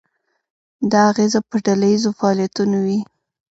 دا اغیزه په ډله ییزو فعالیتونو وي.